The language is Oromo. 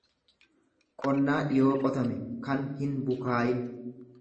qonnaa dhiyoo qotame, kan hin bukaayin.